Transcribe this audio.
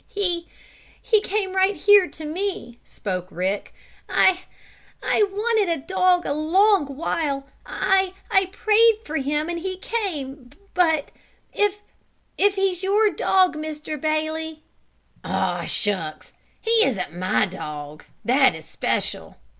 "He he came right here to me," spoke Rick. "I I wanted a dog a long while. I I prayed for him and he came. But if if he's your dog, Mr. Bailey " "Oh, shucks! He isn't my dog; that is special!"